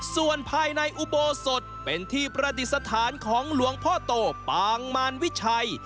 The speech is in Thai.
ส่วนภายในอุโบสถเป็นที่ประดิษฐานของหลวงพ่อโตปางมารวิชัย